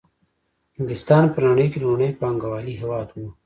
انګلستان په نړۍ کې لومړنی پانګوالي هېواد وو